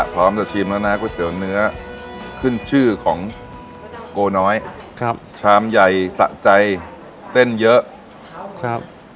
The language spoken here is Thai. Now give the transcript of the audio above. พร้อมจะชิมแล้วนะก๋วยเตี๋ยวเนื้อขึ้นชื่อของโกน้อยครับชามใหญ่สะใจเส้นเยอะครับ